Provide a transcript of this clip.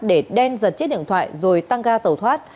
để đen giật chiếc điện thoại rồi tăng ga tẩu thoát